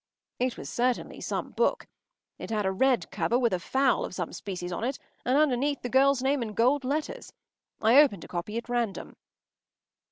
It was certainly some book. It had a red cover with a fowl of some species on it, and underneath the girl’s name in gold letters. I opened a copy at random.